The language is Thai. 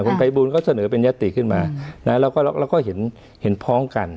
คนไพบูลเขาเสนอเป็นยัตติขึ้นมานะแล้วก็แล้วก็เห็นเห็นพ้องกัน